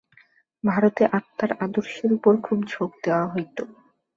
ভারতে আত্মার আদর্শের উপর খুব ঝোঁক দেওয়া হইত।